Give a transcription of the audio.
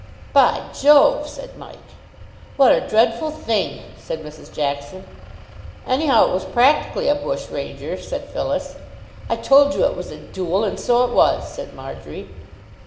'" "By Jove!" said Mike. "What a dreadful thing!" said Mrs. Jackson. "Anyhow, it was practically a bushranger," said Phyllis. "I told you it was a duel, and so it was," said Marjory.